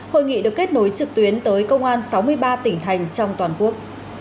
hội nghị được kết nối trực tuyến tới công an sáu mươi ba tỉnh thành trong toàn quốc